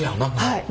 はい。